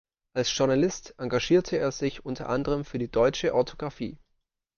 Als Journalist engagierte er sich unter anderem für die deutsche Orthographie.